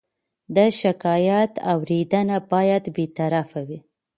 د شکایت اورېدنه باید بېطرفه وي.